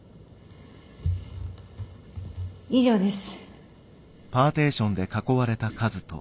以上です。